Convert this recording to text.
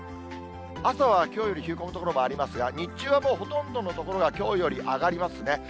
朝はきょうより冷え込む所もありますが、日中はもうほとんどの所がきょうより上がりますね。